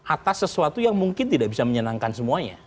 atas sesuatu yang mungkin tidak bisa menyenangkan semuanya